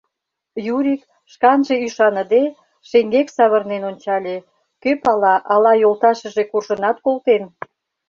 Юрик, шканже ӱшаныде, шеҥгек савырнен ончале: кӧ пала, ала йолташыже куржынат колтен.